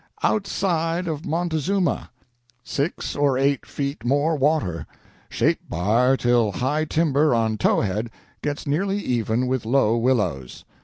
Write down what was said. OUTSIDE OF MONTEZUMA Six or eight feet more water. Shape bar till high timber on towhead gets nearly even with low willows.